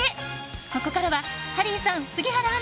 ここからはハリーさん杉原アナ